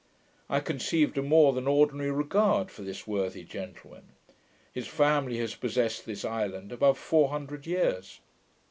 I conceived a more than ordinary regard for this worthy gentleman. His family has possessed this island above four hundred years.